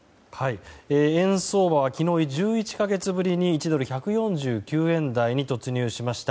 円相場は昨日、１１か月ぶりに１ドル＝１４９円台に突入しました。